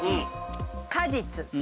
果実。